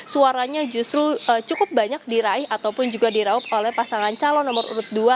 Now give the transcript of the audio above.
suaranya justru cukup banyak diraih ataupun juga diraup oleh pasangan calon nomor urut dua